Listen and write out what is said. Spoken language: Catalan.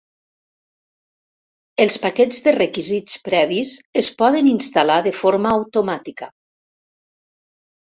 Els paquets de requisits previs es poden instal·lar de forma automàtica.